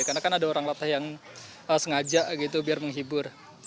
karena kan ada orang latah yang sengaja gitu biar menghibur